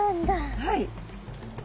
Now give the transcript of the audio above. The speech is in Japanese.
はい。